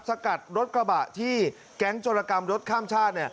สกัดรถกระบะที่แก๊งโจรกรรมรถข้ามชาติ